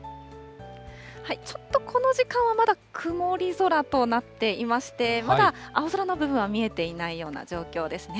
ちょっとこの時間はまだ曇り空となっていまして、まだ青空の部分は見えていないような状況ですね。